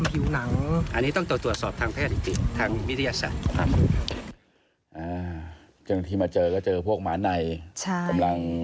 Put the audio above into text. เมืองต้นลักษณะที่พบ